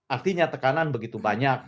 artinya tekanan begitu banyak